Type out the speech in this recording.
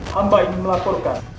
hamba ingin melaporkan